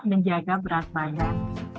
menjaga berat badan